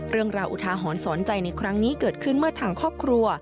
เรื่องราวอุทาหอนสอนใจในครั้งนี้เกิดขึ้นเมื่อทางครอบครัว